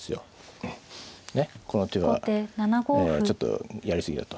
ねこの手はちょっとやり過ぎだと。